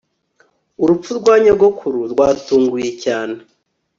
Urupfu rwa nyogokuru rwatunguye cyane